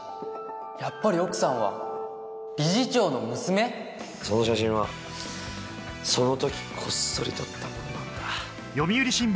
やっぱり奥さんは理事長の娘⁉その写真はその時こっそり撮ったものなんだ。